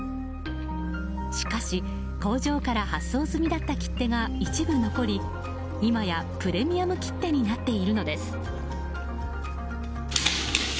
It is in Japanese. しかし、工場から発送済みだった切手が一部残り今やプレミアム切手になっているのです。